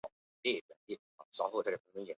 俗称香蕉油。